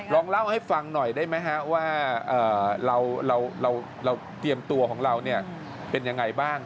ลองเล่าให้ฟังหน่อยได้ไหมฮะว่าเราเตรียมตัวของเราเป็นยังไงบ้าง